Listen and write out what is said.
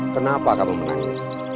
kenapa kamu menangis